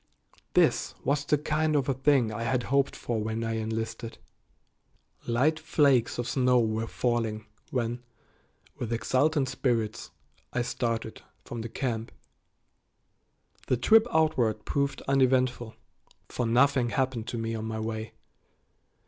This was the kind of a thing I had hoped for when I enlisted. Light flakes of snow were falling when, with exultant spirits, I started from the camp. The trip outward proved uneventful, for nothing happened to me on my way.